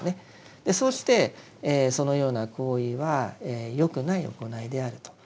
そうしてそのような行為はよくない行いであると。